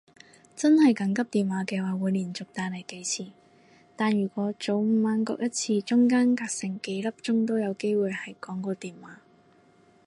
真係緊急電話嘅話會連續打嚟幾次，但如果早午晚各一次中間隔成幾粒鐘都有機會係廣告電話